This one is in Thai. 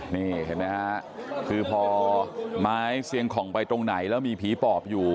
นี่เห็นไหมฮะคือพอไม้เซียงของไปตรงไหนแล้วมีผีปอบอยู่